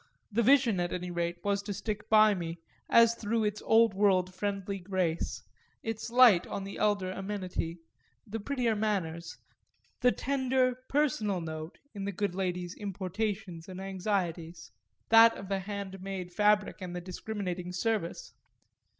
The vision at any rate was to stick by me as through its old world friendly grace, its light on the elder amenity; the prettier manners, the tender personal note in the good lady's importations and anxieties, that of the hand made fabric and the discriminating service.